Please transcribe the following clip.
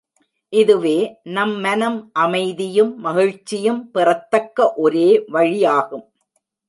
இதுவே நம் மனம் அமைதியும் மகிழ்ச்சியும் பெறத்தக்க ஒரே வழியாகும்.